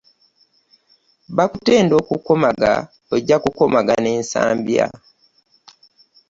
Bakutenda okukomaga ojja kukomaga n'ensambya.